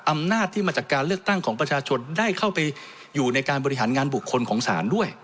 อำนาจที่มาจากการเลือกตั้งของประชาชนได้เข้าไปอยู่ในการบริหารงานบุคคลของศาลด้วย